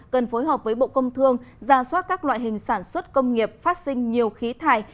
cần phối hợp với bộ công thương ra soát các loại hình sản xuất công nghiệp phát sinh nhiều khí thải